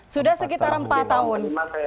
sudah sekitar empat tahun